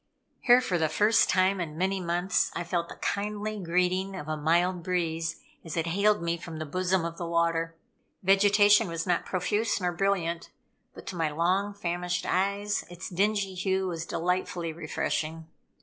Here, for the first time in many months, I felt the kindly greeting of a mild breeze as it hailed me from the bosom of the water. Vegetation was not profuse nor brilliant, but to my long famished eyes, its dingy hue was delightfully refreshing.